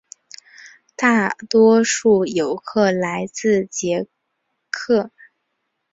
大多数游客来自捷克。